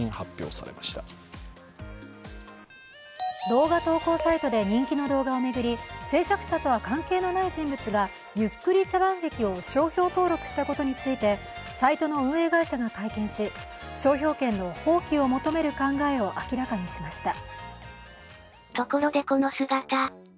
動画投稿サイトで人気の動画を巡り制作者とは関係のない人物がゆっくり茶番劇を商標登録したことについてサイトの運営会社が会見し、商標権の放棄を求める考えを明らかにしました。